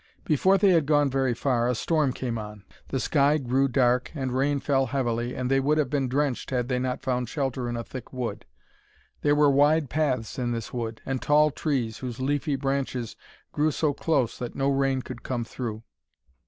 Before they had gone very far a storm came on. The sky grew dark and rain fell heavily, and they would have been drenched had they not found shelter in a thick wood. There were wide paths in this wood, and tall trees whose leafy branches grew so close that no rain could come through.